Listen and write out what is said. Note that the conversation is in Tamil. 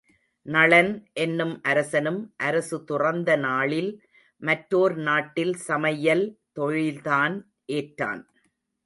நளன் என்னும் அரசனும் அரசு துறந்த நாளில் மற்றோர் நாட்டில் சமையல் தொழில்தான் ஏற்றான்.